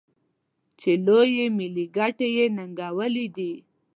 چې لویې ملي ګټې یې ننګولي دي.